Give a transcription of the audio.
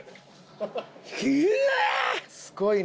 すごいね。